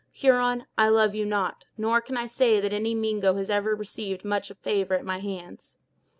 Huron, I love you not; nor can I say that any Mingo has ever received much favor at my hands.